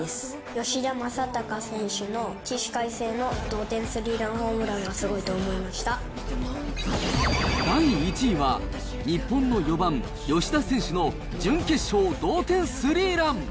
吉田正尚選手の起死回生の同点スリーランホームランがすごい第１位は、日本の４番吉田選手の準決勝同点スリーラン。